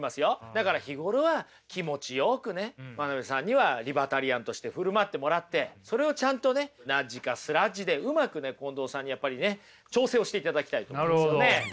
だから日頃は気持ちよくね真鍋さんにはリバタリアンとして振る舞ってもらってそれをちゃんとねナッジかスラッジでうまくね近藤さんにやっぱりね調整をしていただきたいと思うんですよね。